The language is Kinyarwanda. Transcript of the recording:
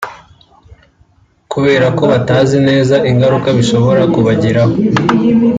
kubera ko batazi neza ingaruka bishobora kubagiraho